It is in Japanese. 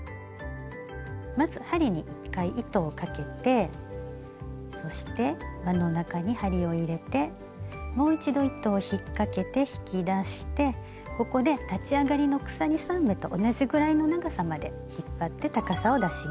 まず針に１回糸をかけてそして輪の中に針を入れてもう一度糸を引っ掛けて引き出してここで立ち上がりの鎖３目と同じぐらいの長さまで引っ張って高さを出します。